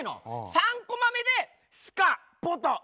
３コマ目で「スカッボトッ」。